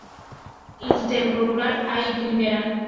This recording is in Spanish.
Intercomunal Alí Primera.